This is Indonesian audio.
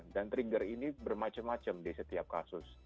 dan trigger ini bermacam macam di setiap kasus